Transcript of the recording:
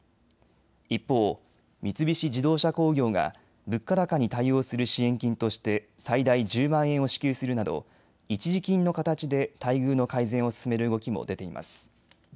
一方、三菱自動車工業が物価高に対応する支援金として最大１０万円を支給するなど一時金の形で待遇の改善を進める動きも出ています。